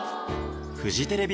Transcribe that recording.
フジテレビ